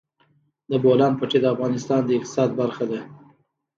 د بولان پټي د افغانستان د اقتصاد برخه ده.